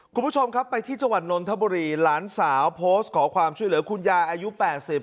คุณผู้ชมครับไปที่จังหวัดนนทบุรีหลานสาวโพสต์ขอความช่วยเหลือคุณยายอายุ๘๐